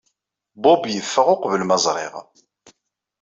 Bob yeffeɣ uqbel ma ẓriɣ.